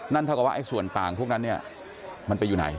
นั่นเท่ากับว่าไอ้ส่วนต่างพวกนั้นมันไปอยู่ไหน